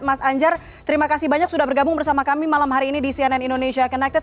mas anjar terima kasih banyak sudah bergabung bersama kami malam hari ini di cnn indonesia connected